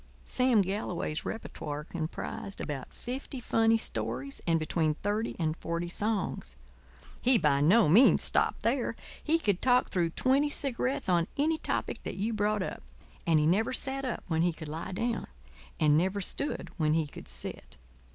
Sam Galloway's repertoire comprised about fifty funny stories and between thirty and forty songs. He by no means stopped there. He could talk through twenty cigarettes on any topic that you brought up. And he never sat up when he could lie down; and never stood when he could sit.